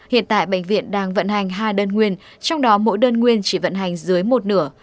hiện tại bệnh viện đang vận hành hai đơn nguyên trong đó mỗi đơn nguyên chỉ vận hành dưới một nửa